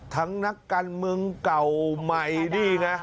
ทั้งนักการเมืองเก่าใหม่ดีนะ